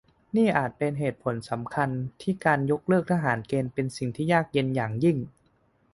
นี่อาจเป็นเหตุผลสำคัญที่การยกเลิกทหารเกณฑ์เป็นสิ่งยากเย็นอย่างยิ่ง